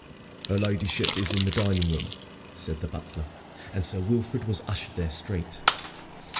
"Her ladyship is in the dining room," said the butler, and Sir Wilfrid was ushered there straight.